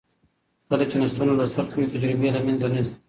کله چې نسلونه لوستل کوي، تجربې له منځه نه ځي.